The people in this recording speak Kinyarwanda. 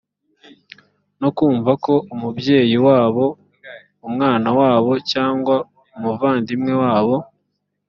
no kumva ko umubyeyi wabo umwana wabo cyangwa umuvandimwe wabo